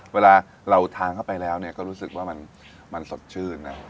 เวลาเราทานเข้าไปแล้วเนี้ยก็รู้สึกว่ามันมันสดชื่นนะว่ะ